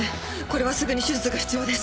これはすぐに手術が必要です。